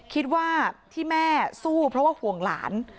คิดว่าที่แม่สู้เพราะว่าห่วงหลาน